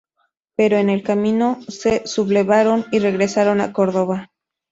Pero en el camino se sublevaron y regresaron a Córdoba.